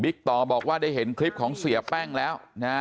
บิ๊กต่อบอกว่าได้เห็นคลิปของเสียแป้งแล้ว